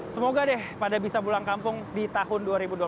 semoga deh pada bisa pulang kampung di tahun dua ribu dua puluh satu